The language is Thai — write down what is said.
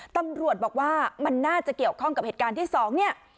ตำรวจบอกว่ามันน่าจะเกี่ยวข้องกับเหตุการณ์ที่สองเนี่ย